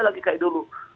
lagi seperti dulu